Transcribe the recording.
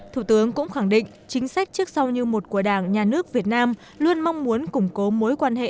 thủ tướng cũng khẳng định chính sách trước sau như một của đảng nhà nước việt nam luôn mong muốn củng cố mối quan hệ